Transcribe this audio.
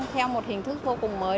theo một hình thức vô cùng mới